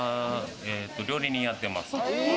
料理人をやってます。